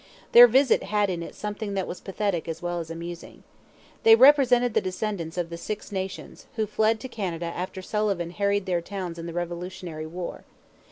Their visit had in it something that was pathetic as well as amusing. They represented the descendants of the Six Nations, who fled to Canada after Sullivan harried their towns in the Revolutionary War.